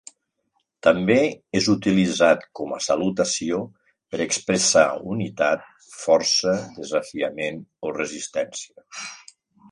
També és utilitzat com a salutació per expressar unitat, força, desafiament o resistència.